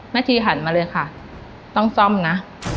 ทีหันมาเลยค่ะต้องซ่อมนะ